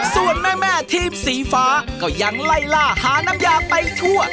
ส่วนแม่ทีมสีฟ้าก็ยังไล่ล่าหาน้ำยาไปทั่ว